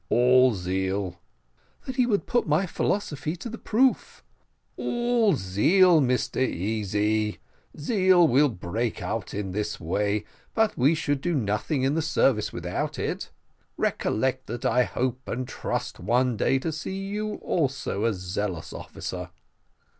"All zeal." "That he would put my philosophy to the proof." "All zeal, Mr Easy. Zeal will break out in this way; but we should do nothing in the service without it. Recollect that I hope and trust one day to see you also a zealous officer."